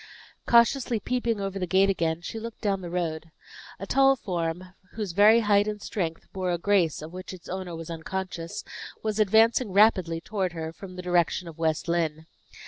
Cautiously peeping over the gate again, she looked down the road. A tall form, whose very height and strength bore a grace of which its owner was unconscious, was advancing rapidly toward her from the direction of West Lynne.